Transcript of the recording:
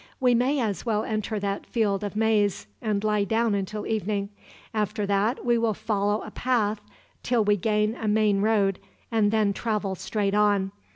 "We may as well enter that field of maize, and lie down until evening. After that we will follow a path till we gain a main road, and then travel straight on.